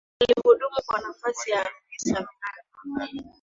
Alihudumu kwa nafasi ya Afisa Miradi